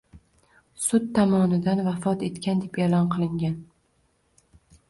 Sud tomonidan vafot etgan deb e’lon qilingan